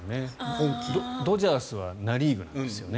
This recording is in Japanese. ドジャースはナ・リーグなんですよね。